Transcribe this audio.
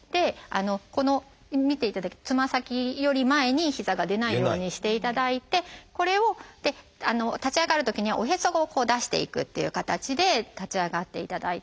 このつま先より前に膝が出ないようにしていただいてこれを立ち上がるときにはおへそを出していくっていう形で立ち上がっていただいて。